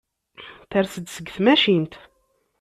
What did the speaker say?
Ters-d seg tmacint.